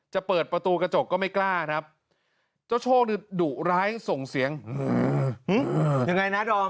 จะเปิดประตูกระจกก็ไม่กล้าครับเจ้าโชคดีดุร้ายส่งเสียงยังไงนะดอม